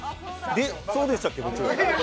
えっ、そうでしたっけ？